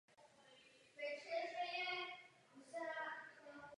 Nebo snad šlo o špatný novoroční vtip?